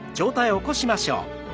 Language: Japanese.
起こしましょう。